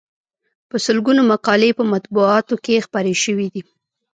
په سلګونو مقالې یې په مطبوعاتو کې خپرې شوې دي.